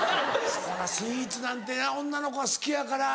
スイーツなんてな女の子は好きやから。